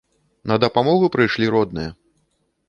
На дапамогу прыйшлі родныя.